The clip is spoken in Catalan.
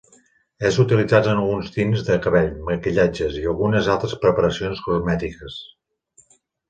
És utilitzat en alguns tints de cabell, maquillatges, i algunes altres preparacions cosmètiques.